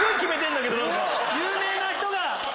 有名な人が。